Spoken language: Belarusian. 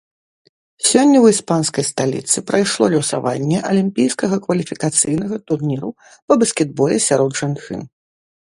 Сёння ў іспанскай сталіцы прайшло лёсаванне алімпійскага кваліфікацыйнага турніру па баскетболе сярод жанчын.